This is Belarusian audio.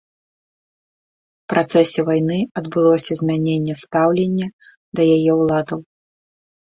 У працэсе вайны адбылося змяненне стаўлення да яе ўладаў.